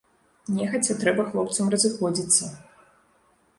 Нехаця трэба хлопцам разыходзіцца.